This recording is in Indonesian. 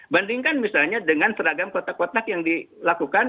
bandingkan misalnya dengan seragam kotak kotak yang dilakukan